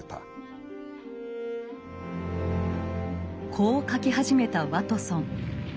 こう書き始めたワトソン。